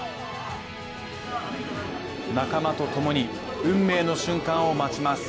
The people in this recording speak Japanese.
仲間とともに運命の瞬間を待ちます。